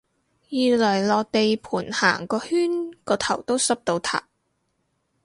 二嚟落地盤行個圈個頭都濕到塌